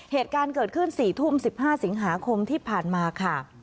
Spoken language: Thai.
เหตุการณ์เกิดขึ้น๔ทุ่ม๑๕สิงหาคมที่ผ่านมาค่ะ